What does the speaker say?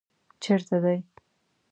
چېرته دی؟